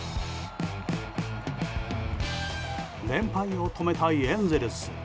連敗を止めたいエンゼルス。